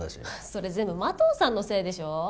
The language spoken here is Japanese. それ全部麻藤さんのせいでしょ。